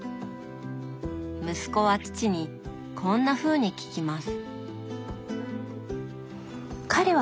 息子は父にこんなふうに聞きます。